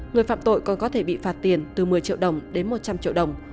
người phạm tội còn có thể bị phạt tiền từ một mươi triệu đồng đến một trăm linh triệu đồng